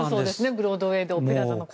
ブロードウェーで「オペラ座の怪人」。